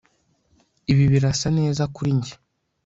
Ibi birasa neza kuri njye